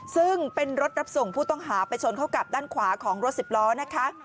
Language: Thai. ซึ่งเป็นรถรับส่งผู้ต้องหาไปชนเข้ากับด้านขวาของรถสิบล้อนะคะ